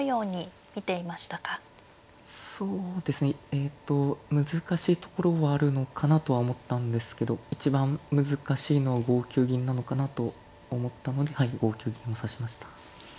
えっと難しいところはあるのかなとは思ったんですけど一番難しいのは５九銀なのかなと思ったので５九銀を指しました。